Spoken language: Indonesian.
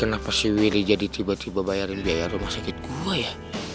kenapa si wiri jadi tiba tiba bayarin biaya rumah sakit gua ya